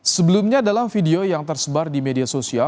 sebelumnya dalam video yang tersebar di media sosial